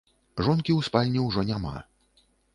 Жонкі ў спальні ўжо няма.